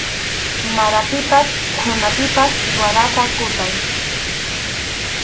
Maranpipas qhunapipas siwarata kutay.